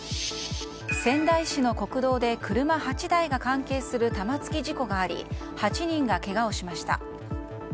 仙台市の国道で車８台が関係する玉突き事故があり８人がけがをしました。